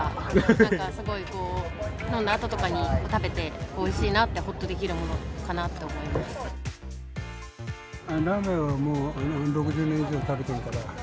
なんかすごいこう、飲んだあととかに食べて、おいしいなってほっとできるものかなとラーメンはもう、６０年以上食べてるから。